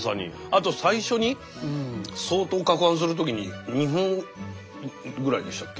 あと最初に相当かくはんする時に２分ぐらいでしたっけ？